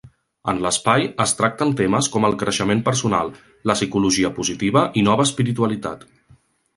En l'espai, es tracten temes com el creixement personal, la psicologia positiva i nova espiritualitat.